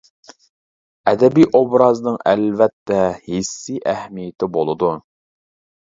ئەدەبىي ئوبرازنىڭ ئەلۋەتتە ھېسسىي ئەھمىيىتى بولىدۇ.